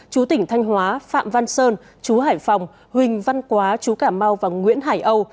chú tỉnh thanh hóa phạm văn sơn chú hải phòng huỳnh văn quá chú cảm mau và nguyễn hải âu